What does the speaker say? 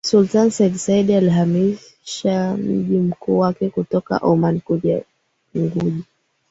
Sultani Sayyid Said alihamisha mji mkuu wake kutoka Omani kuja Unguja